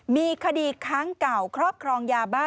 มีคดีค้างเก่าครอบครองยาบ้า